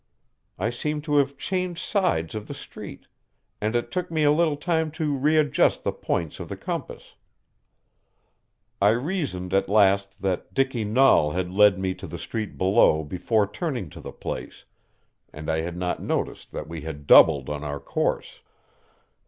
I seemed to have changed sides of the street, and it took me a little time to readjust the points of the compass. I reasoned at last that Dicky Nahl had led me to the street below before turning to the place, and I had not noticed that we had doubled on our course.